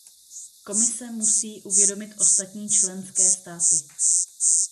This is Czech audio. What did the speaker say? Komise musí uvědomit ostatní členské státy.